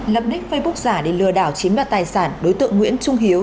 lập nic facebook giả để lừa đảo chiếm đoạt tài sản đối tượng nguyễn trung hiếu